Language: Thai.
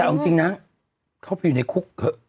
เอาจริงนะเข้าไปอยู่ในคุกเถอะ